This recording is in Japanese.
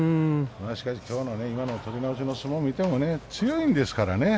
しかし、きょうの今の取り直しの相撲を見ても強いですからね。